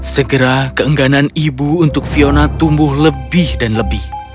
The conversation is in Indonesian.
segera keengganan ibu untuk fiona tumbuh lebih dan lebih